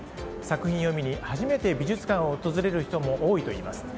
作品を見に初めて美術館を訪れる人も多いといいます。